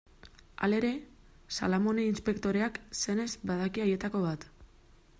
Halere, Salamone inspektoreak, senez, badaki haietako bat.